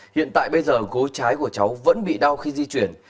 hiện tại bây giờ gối trái của cháu vẫn bị đau khi di chuyển